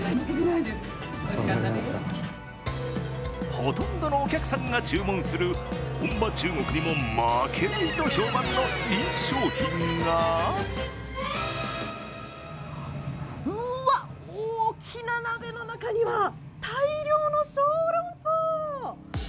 ほとんどのお客さんが注文する本場・中国にも負けないと評判の人気商品がうわっ、大きな鍋の中には大量の小籠包！